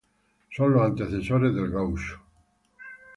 Son los antecesores del gaucho.